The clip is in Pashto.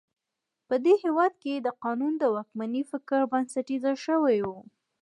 په دې هېواد کې د قانون د واکمنۍ فکر بنسټیزه شوی و.